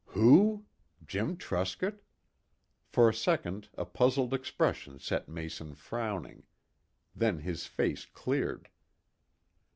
"Who? Jim Truscott?" For a second a puzzled expression set Mason frowning. Then his face cleared.